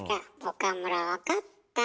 岡村分かった？